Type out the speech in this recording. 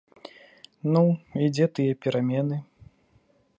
Ну, і дзе тыя перамены?